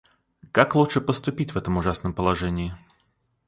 Как лучше поступить в этом ужасном положении?